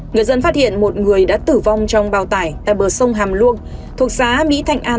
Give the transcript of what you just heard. người dân phát hiện một người đã tử vong trong bao tải tại bờ sông hàm luông thuộc xá mỹ thạnh an